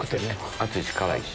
熱いし辛いし。